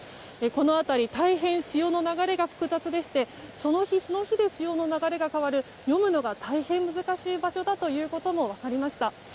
この辺り大変、潮の流れが複雑でして、その日その日で潮の流れが変わる読むのが大変難しい場所だということも分かりました。